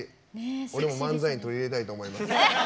俺も漫才に取り入れたいと思います。